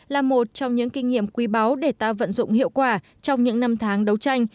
là một trong những kinh nghiệm quý báu để ta vận dụng hiệu quả trong những năm tháng đấu tranh